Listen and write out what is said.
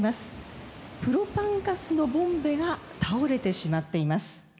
プロパンガスのボンベが倒れてしまっています。